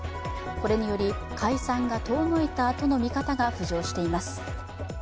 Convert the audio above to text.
これにより解散が遠のいたとの見方が浮上しています。